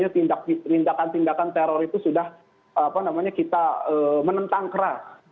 tindakan tindakan teror itu sudah kita menentang keras